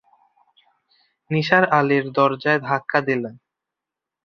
নিসার আলি দরজায় ধাক্কা দিলেন।